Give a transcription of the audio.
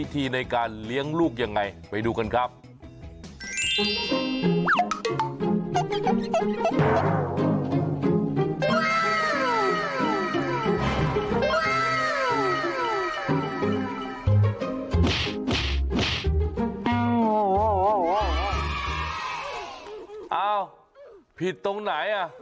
ผิดตรงไหนอ่ะ